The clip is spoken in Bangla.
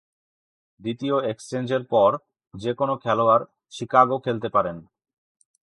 দ্বিতীয় এক্সচেঞ্জের পর, যে কোনও খেলোয়াড় "শিকাগো" খেলতে পারেন।